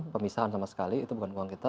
pemisahan sama sekali itu bukan uang kita